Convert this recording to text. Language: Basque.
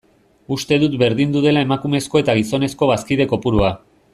Uste dut berdindu dela emakumezko eta gizonezko bazkide kopurua.